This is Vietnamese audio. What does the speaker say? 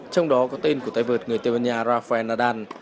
trong đó có tên của tay vợt người tây ban nha rafael nadan